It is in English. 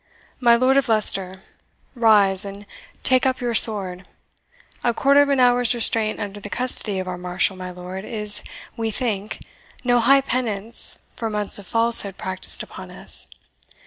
My Lord of Leicester, rise and take up your sword; a quarter of an hour's restraint under the custody of our Marshal, my lord, is, we think, no high penance for months of falsehood practised upon us.